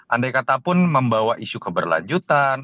andai katapun membawa isu keberlanjutan